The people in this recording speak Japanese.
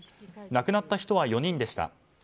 亡くなった人は４人でした。